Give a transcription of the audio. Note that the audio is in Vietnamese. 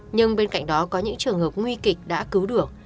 nhưng bên cạnh đó có những trường hợp nguy kịch đã cứu được